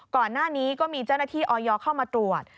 ก่อนหน้านี้ก็มีเจ้าหน้าที่ออยเข้ามาตรวจ